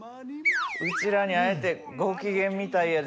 うちらに会えてご機嫌みたいやで。